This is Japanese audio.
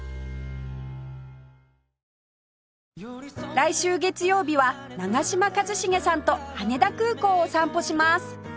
来週月曜日は長嶋一茂さんと羽田空港を散歩します